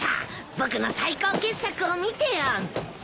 僕の最高傑作を見てよ。